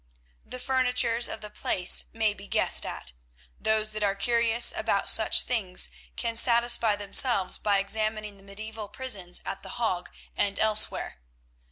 The furnitures of the place may be guessed at; those that are curious about such things can satisfy themselves by examining the mediaeval prisons at The Hague and elsewhere.